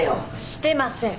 してません！